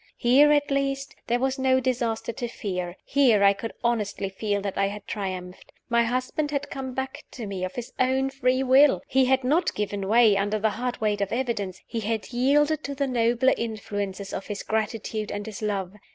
Here, at least, there was no disaster to fear; here I could honestly feel that I had triumphed. My husband had come back to me of his own free will; he had not given way, under the hard weight of evidence he had yielded to the nobler influences of his gratitude and his love.